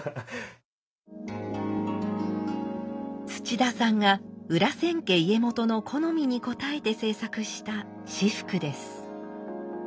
土田さんが裏千家家元の好みに応えて制作した仕覆です。